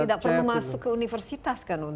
tidak perlu masuk ke universitas kan